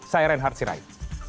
saya reinhard sirai